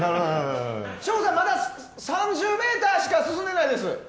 省吾さん、まだ３０ｍしか進んでないです！